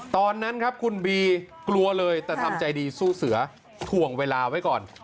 ตอนนั้นครับคุณบีกลัวเลยแต่ทำใจดีสู้เสือถ่วงเวลาไว้ก่อน